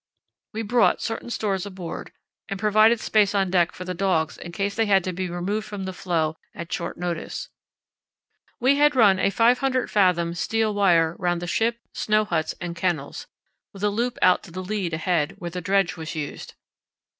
We brought certain stores aboard and provided space on deck for the dogs in case they had to be removed from the floe at short notice. We had run a 500 fathom steel wire round the ship, snow huts, and kennels, with a loop out to the lead ahead, where the dredge was used.